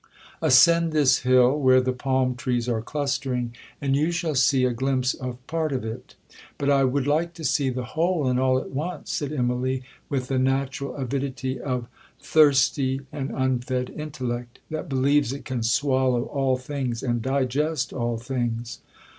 Ascend this hill where the palm trees are clustering, and you shall see a glimpse of part of it.'—'But I would like to see the whole, and all at once!' said Immalee, with the natural avidity of thirsty and unfed intellect, that believes it can swallow all things, and digest all things.